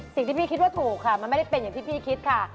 สิ่งที่พี่คิดว่าถูกค่ะมันไม่ได้เป็นอย่างที่พี่คิดค่ะ